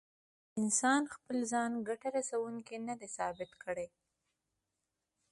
انسان خپل ځان ګټه رسوونکی نه دی ثابت کړی.